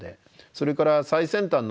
それから最先端の研究